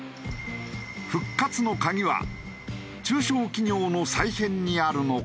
復活のカギは中小企業の再編にあるのか？